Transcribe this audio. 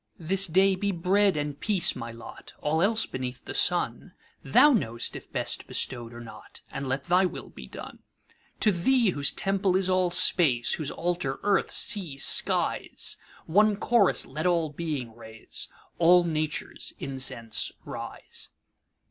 This day be bread and peace my lot:All else beneath the sunThou know'st if best bestow'd or not, And let thy will be done. To Thee, whose temple is all Space, Whose altar earth, sea, skies, One chorus let all Being raise, All Nature's incense rise!